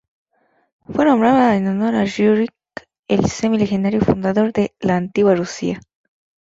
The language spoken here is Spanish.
Fue nombrada en honor a Riúrik, el semi-legendario fundador de la antigua Rusia.